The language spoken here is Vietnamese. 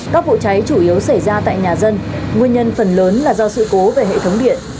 các vụ cháy chủ yếu xảy ra tại nhà dân nguyên nhân phần lớn là do sự cố về hệ thống điện